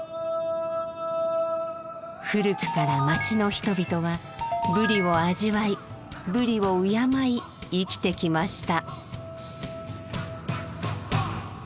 古くから町の人々はブリを味わいブリを敬い生きてきました。